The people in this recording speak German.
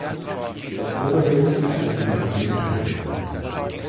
Das Oberbild zeigt die Marienkrönung.